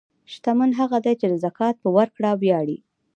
شتمن هغه دی چې د زکات په ورکړه ویاړي.